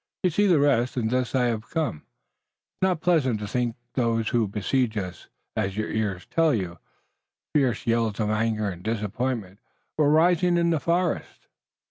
You saw the rest, and thus I have come. It is not pleasant to those who besiege us, as your ears tell you." Fierce yells of anger and disappointment were rising in the forest.